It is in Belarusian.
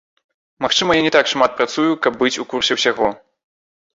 Магчыма, я не так шмат працую, каб быць у курсе ўсяго.